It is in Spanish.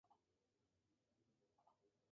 El resto de su vida trabajó como autor de libros.